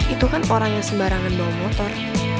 itu kan orang yang sembarangan bawa motor